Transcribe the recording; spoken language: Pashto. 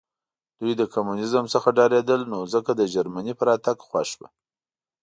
دوی له کمونیزم څخه ډارېدل نو ځکه د جرمني په راتګ خوښ وو